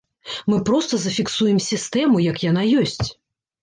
Мы проста зафіксуем сістэму, як яна ёсць.